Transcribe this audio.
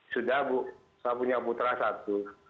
sudah bu saya punya putra satu